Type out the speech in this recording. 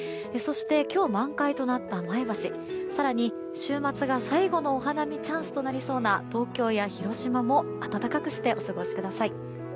そして今日、満開となった前橋更に週末は最後のお花見チャンスとなりそうな東京や広島も暖かくしてお過ごしください。